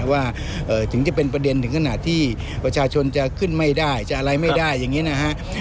ว่าถึงจะเป็นประเด็นถึงขนาดที่ประชาชนจะขึ้นไม่ได้จะอะไรไม่ได้อย่างนี้นะฮะ